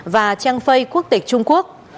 và trang phê quốc tịch trung quốc